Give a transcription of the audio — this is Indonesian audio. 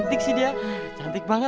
eh ini adalah pasye